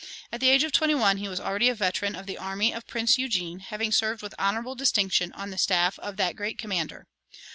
At the age of twenty one he was already a veteran of the army of Prince Eugene, having served with honorable distinction on the staff of that great commander.